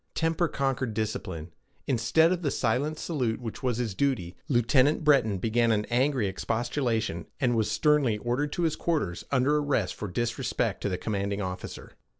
Temper conquered discipline. Instead of the silent salute which was his duty, Lieutenant Breton began an angry expostulation, and was sternly ordered to his quarters, under arrest for disrespect to the commanding officer.